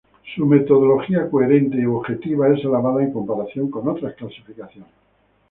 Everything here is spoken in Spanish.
Su metodología coherente y objetiva es alabada en comparación con otras clasificaciones.